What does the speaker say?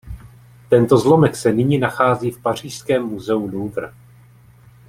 Tento zlomek se nyní nachází v pařížském muzeu Louvre.